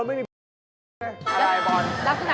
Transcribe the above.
หุ่น